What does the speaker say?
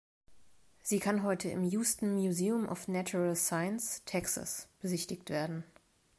Sie kann heute im Houston Museum of Natural Science, Texas besichtigt werden.